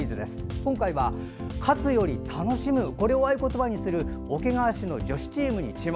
今回は「勝つより、楽しむ」を合言葉にする桶川市の女子チームに注目